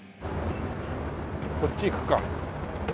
こっち行くか。